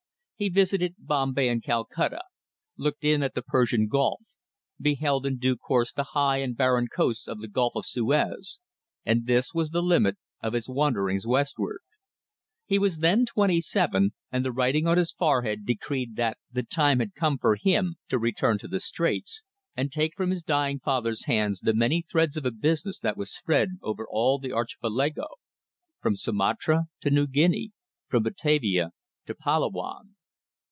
He visited Bombay and Calcutta, looked in at the Persian Gulf, beheld in due course the high and barren coasts of the Gulf of Suez, and this was the limit of his wanderings westward. He was then twenty seven, and the writing on his forehead decreed that the time had come for him to return to the Straits and take from his dying father's hands the many threads of a business that was spread over all the Archipelago: from Sumatra to New Guinea, from Batavia to Palawan.